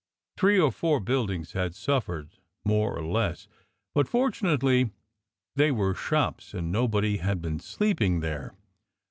Three or four buildings had suffered more or less, but fortunately they were shops, and nobody had been sleeping there.